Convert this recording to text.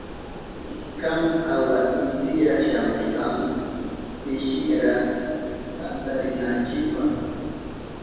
Kan awa intira shamushkanki pishinra tantarinanchipa.